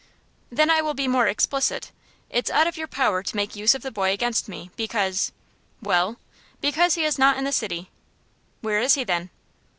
"Then I will be more explicit. It's out of your power to make use of the boy against me, because " "Well?" "Because he is not in the city." "Where is he, then?"